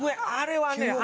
あれはね